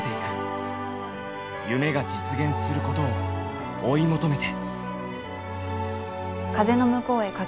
夢が実現することを追い求めて。